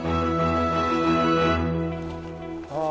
ああ。